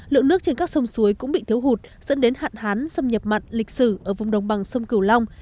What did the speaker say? lượng nước trên các sông suối cũng bị thiếu hụt dẫn đến hạn hán xâm nhập mặn lịch sử ở vùng đồng bằng sông cửu long